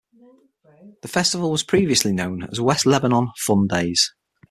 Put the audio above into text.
The festival was previously known as West Lebanon Fun Days.